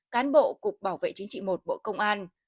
cán bộ cục bảo vệ chính trị một bộ công an